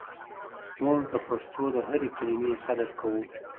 موږ د پښتو د هرې کلمې قدر کوو.